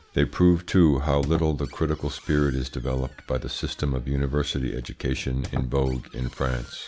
They prove too how little the critical spirit is developed by the system of university education in vogue in France.